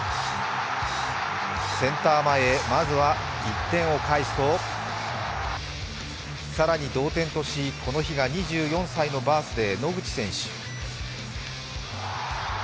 センター前へ、まずは１点を返すと、更に同点とし、この日が２４歳のバースデー、野口選手。